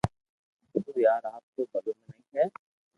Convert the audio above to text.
تو يار آپ تو ڀلو منيک ھي